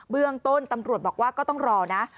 เรื่องต้นตำรวจบอกว่าก็ต้องรอนะ